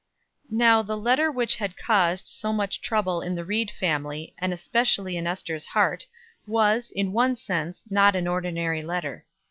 Now the letter which had caused so much trouble in the Ried family, and especially in Ester's heart, was, in one sense, not an ordinary letter.